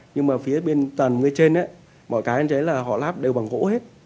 nhưng mà phía bên tầng bên trên á mọi cái trên đấy là họ láp đều bằng gỗ hết